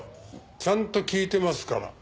ちゃんと聞いてますから。